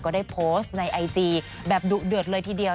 ก็ได้โพสต์ในไอจีแบบดุเดือดเลยทีเดียว